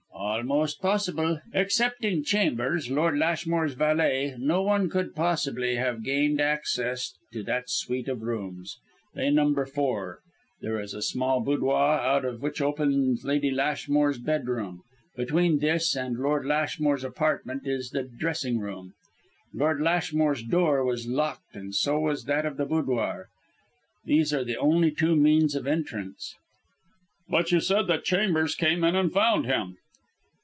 "Almost impossible. Excepting Chambers, Lord Lashmore's valet, no one could possibly have gained access to that suite of rooms. They number four. There is a small boudoir, out of which opens Lady Lashmore's bedroom; between this and Lord Lashmore's apartment is the dressing room. Lord Lashmore's door was locked and so was that of the boudoir. These are the only two means of entrance." "But you said that Chambers came in and found him."